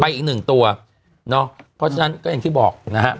อีกหนึ่งตัวเนาะเพราะฉะนั้นก็อย่างที่บอกนะฮะ